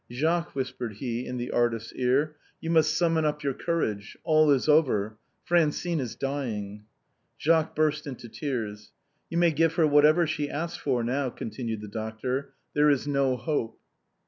" Jacques," whispered he in the artist's ear," " you must summon up your courage. All is over ; Francine is dying.'' Jacques burst into tears. " You may give her whatever she asks for now," con tinued the doctor, " there is no hope."